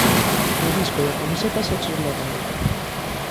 O disco e a camiseta xa chos leva el.